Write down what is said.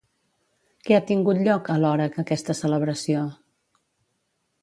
Què ha tingut lloc, alhora que aquesta celebració?